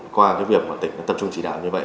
qua việc tỉnh tập trung chỉ đạo như vậy